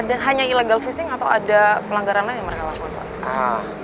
hanya illegal fishing atau ada pelanggaran lain yang mereka lakukan pak